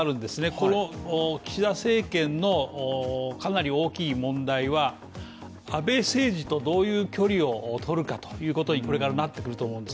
これを岸田政権のかなり大きい問題は安倍政治とどういう距離をとるかということにこれからなってくると思うんです